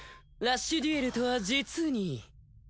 ラッシュデュエルとは実に。